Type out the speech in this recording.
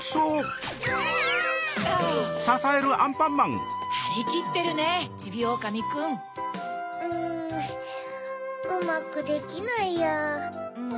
うまくできないや。